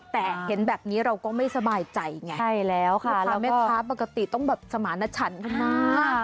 แต่เห็นแบบนี้เราก็ไม่สบายใจไงใช่แล้วค่ะแล้วแม่ค้าปกติต้องแบบสมาณฉันข้างหน้า